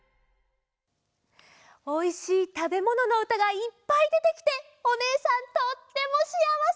おいしいたべもののうたがいっぱいでてきておねえさんとってもしあわせ！